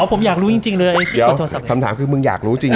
ผมอยากรู้จริงเลยคำถามคือมึงอยากรู้จริง